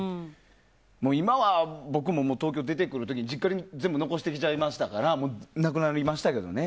今は僕も東京出てくる時実家に全部残してきちゃいましたからなくなりましたけどね